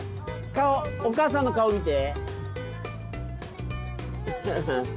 顔お母さんの顔を見て。